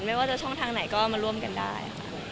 ไม่ว่าจะช่องทางไหนก็มาร่วมกันได้ค่ะ